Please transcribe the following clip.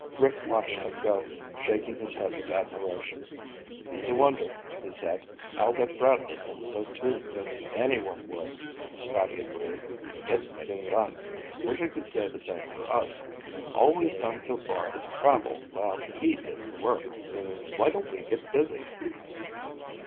Rick watched him go, shaking his head with admiration. "He's a wonder," he said. "I'll bet Bradley thinks so, too." "Anyone would," Scotty agreed. "He gets things done. Wish I could say the same for us. All we've done so far is travel while he did the work. Why don't we get busy?"